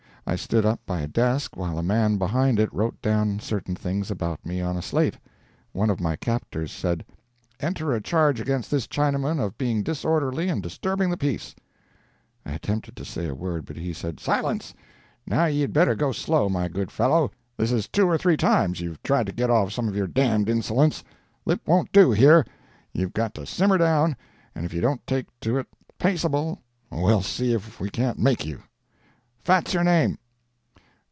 I stood up by a desk while a man behind it wrote down certain things about me on a slate. One of my captors said: "Enter a charge against this Chinaman of being disorderly and disturbing the peace." I attempted to say a word, but he said: "Silence! Now ye had better go slow, my good fellow. This is two or three times you've tried to get off some of your d d insolence. Lip won't do here. You've got to simmer down, and if you don't take to it paceable we'll see if we can't make you. Fat's your name?"